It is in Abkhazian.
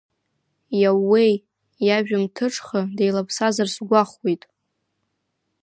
Иаууеи, иажәымҭыҽха деилаԥсазар сгәахәуеит!